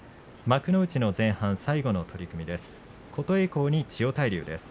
幕内の前半、最後の取組です。